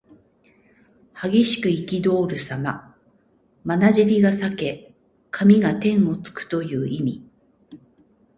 激しくいきどおるさま。まなじりが裂け髪が天をつくという意味。